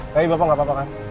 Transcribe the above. tapi bapak nggak apa apa kan